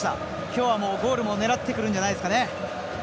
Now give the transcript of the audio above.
今日はゴールも狙ってくるんじゃないでしょうか。